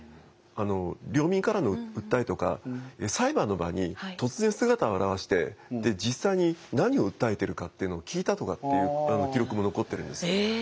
領民からの訴えとか裁判の場に突然姿を現して実際に何を訴えてるかっていうのを聞いたとかっていう記録も残ってるんです。